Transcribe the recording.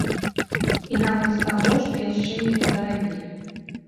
І нават з таго, што яшчэ не зарабілі.